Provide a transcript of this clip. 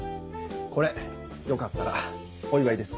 これよかったらお祝いです。